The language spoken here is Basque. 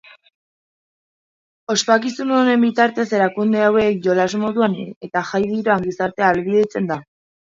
Ospakizun honen bitartez erakunde hauek jolas moduan eta jai giroan gizarteratzea ahalbidetzen da.